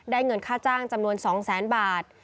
ได้เงินค่าจ้างจำนวน๒๐๐๐๐๐บาท